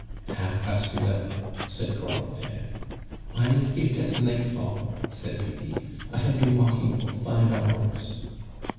"Half past eleven," said Corentin. "I escaped at nightfall," said Lydie. "I have been walking for five hours."